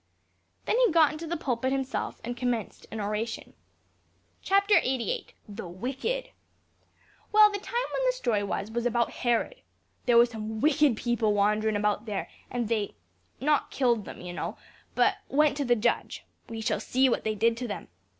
Then he got into the pulpit himself, and commenced an oration. "Chapter eighty eight. The wicked. Well, the time when the story was, was about Herod. There were some wicked people wanderin' about there, and they not killed them, you know, but went to the judge. We shall see what they did to them.